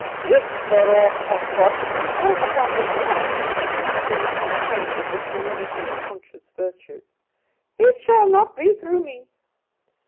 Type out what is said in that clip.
If the wrath of God is to fall upon this land," said Tant Sannie, with the serenity of conscious virtue, "it shall not be through me."